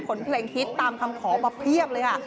เพลงฮิตตามคำขอมาเพียบเลยค่ะ